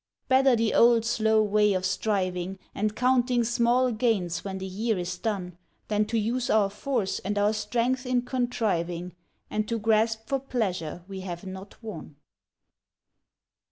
Better the old slow way of striving, And counting small gains when the year is done, Than to use our force and our strength in contriving, And to grasp for pleasure we have not won.